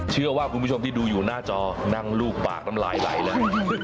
เชื่อว่าคุณผู้ชมที่ดูอยู่หน้าจอนั่งลูกปากน้ำลายไหลแล้ว